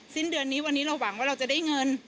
สิ้นเดือนนี้วันนี้เราหวังว่าเราจะได้เงิน